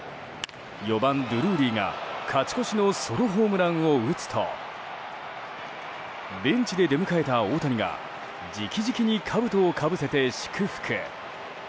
４番、ドルーリーが、勝ち越しのソロホームランを打つとベンチで出迎えた大谷が直々にかぶとをかぶせて祝福。